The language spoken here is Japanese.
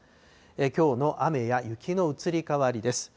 きょうの雨や雪の移り変わりです。